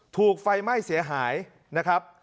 ถูกไฟไหม้เสียหายนะครับ